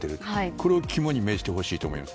これを肝に銘じてほしいと思います。